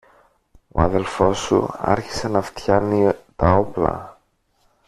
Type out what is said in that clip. ο αδελφός σου άρχισε να φτιάνει τα όπλα